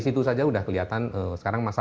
situ saja sudah kelihatan sekarang masa